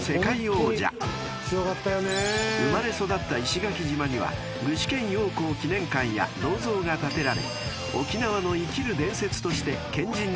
［生まれ育った石垣島には具志堅用高記念館や銅像が建てられ沖縄の生きる伝説として県人に愛されています］